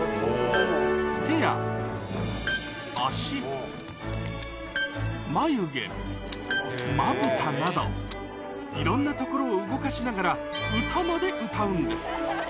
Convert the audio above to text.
手や足眉毛まぶたなどいろんなところを動かしながら歌まで歌うんです